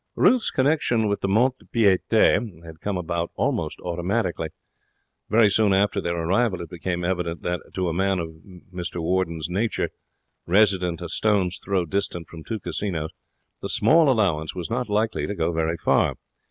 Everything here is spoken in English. Ruth's connexion with the mont de piete had come about almost automatically. Very soon after their arrival it became evident that, to a man of Mr Warden's nature, resident a stone's throw distant from two casinos, the small allowance was not likely to go very far.